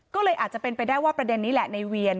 ก็เลยอาจจะเป็นไปได้ว่าประเด็นนี้แหละในเวียน